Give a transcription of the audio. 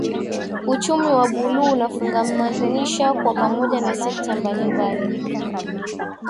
Uchumi wa buluu unafungamanisha kwa pamoja na sekta mbalimbali